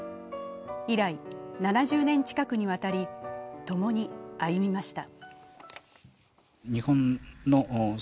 以来７０年近くにわたり、共に歩みました。